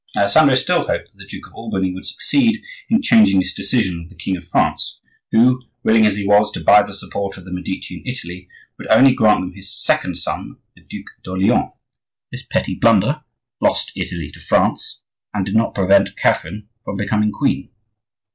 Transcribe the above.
Alessandro still hoped that the Duke of Albany would succeed in changing this decision of the king of France who, willing as he was to buy the support of the Medici in Italy, would only grant them his second son, the Duc d'Orleans. This petty blunder lost Italy to France, and did not prevent Catherine from becoming queen.